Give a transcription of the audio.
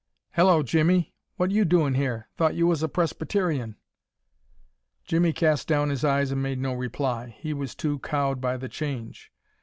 "Hello, Jimmie! What you doin' here? Thought you was a Presbyterian?" Jimmie cast down his eyes and made no reply. He was too cowed by the change.